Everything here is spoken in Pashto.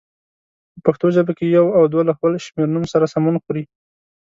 په پښتو ژبه کې یو او دوه له خپل شمېرنوم سره سمون خوري.